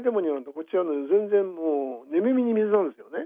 こっちは全然もう寝耳に水なんですよね。